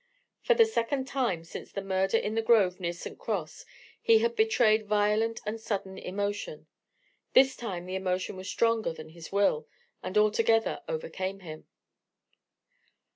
For the second time since the murder in the grove near St. Cross he had betrayed violent and sudden emotion. This time the emotion was stronger than his will, and altogether overcame him.